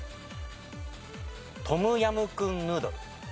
トムヤムクンヌードル。